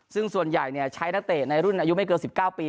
ซึ่งส่วนใหญ่ใช้นักเตะในรุ่นอายุไม่เกิน๑๙ปี